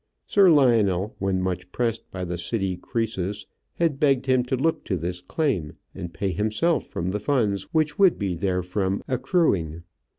Sir Lionel, when much pressed by the city Croesus, had begged him to look to this claim, and pay himself from the funds which would be therefrom accruing.